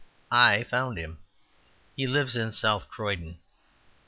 I found him; he lives in South Croydon.